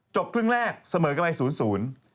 จบครึ่งแรกเสมอกลาย๐๐